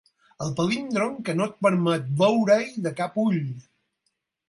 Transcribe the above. El palíndrom que no et permet veure-hi de cap ull.